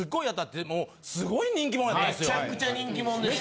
めちゃくちゃ人気者でしたよね。